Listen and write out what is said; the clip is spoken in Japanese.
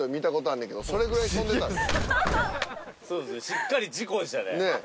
しっかり事故でしたね。